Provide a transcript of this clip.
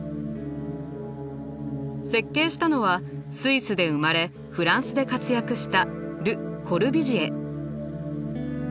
設計したのはスイスで生まれフランスで活躍したル・コルビュジエ。